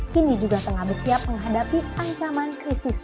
kini juga tengah bersiap menghadapi ancaman krisis